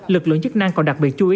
lực lượng chức năng còn đặc biệt chú ý